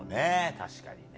確かにね。